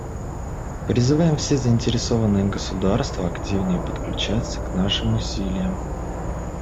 Призываем все заинтересованные государства активнее подключаться к нашим усилиям.